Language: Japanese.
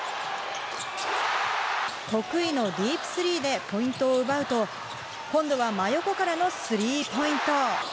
得意のディープスリーでポイントを奪うと、今度は真横からのスリーポイント。